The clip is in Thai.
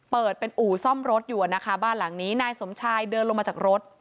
เปิดเป็นอู่ซ่อมรถอยู่นะคะบ้านหลังนี้นายสมชายเดินลงมาจากรถ